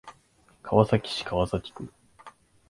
川崎市川崎区